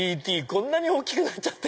こんなに大きくなって。